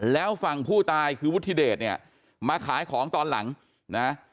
แล้วฝั่งผู้ตายคือวุฒิเดชเนี่ยมาขายของตอนหลังนะ